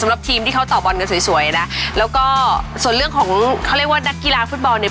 สำหรับทีมที่เขาต่อบอลกันสวยสวยนะแล้วก็ส่วนเรื่องของเขาเรียกว่านักกีฬาฟุตบอลเนี่ย